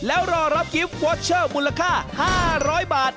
แล้วรอรับกิฟต์วอเชอร์มูลค่า๕๐๐บาท